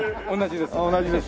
同じです。